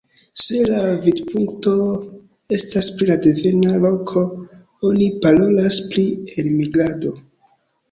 Se la vidpunkto estas pri la devena loko, oni parolas pri elmigrado.